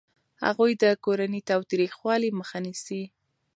هغوی د کورني تاوتریخوالي مخه نیسي.